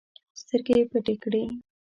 سترګې يې پټې کړې.